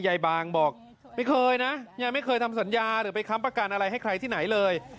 ยายบางบอกไม่เคยนะยายไม่เคยทำสัญญาหรือไปค้ำประกันอะไรให้ใครที่ไหนเลย